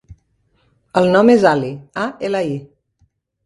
El nom és Ali: a, ela, i.